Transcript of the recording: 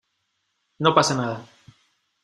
no pasa nada.